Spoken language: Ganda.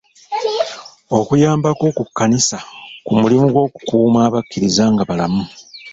Okuyambako ku kkanisa ku mulimu gw'okukuuma abakkiriza nga balamu.